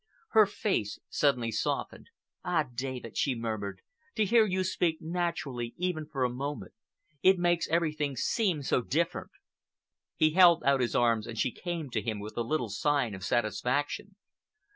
Her face suddenly softened. "Ah, David!" she murmured, "to hear you speak naturally even for a moment—it makes everything seem so different!" He held out his arms and she came to him with a little sigh of satisfaction.